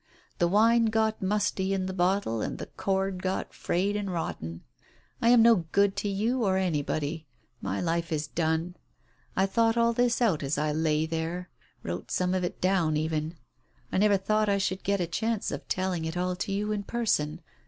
The wine got musty in the bottle, the cord got frayed and rotten. I am no good to you or anybody. My life is done. I thought all this out as I lay there — wrote some of it down even. I never thought I should get a chance of telling it all to you in person.